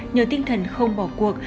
nhờ tinh thần không bỏ cuộc